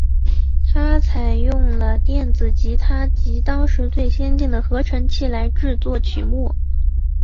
它采用了电子吉他及当时最先进的合成器来制作曲目。